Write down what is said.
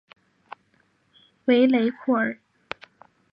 维雷库尔。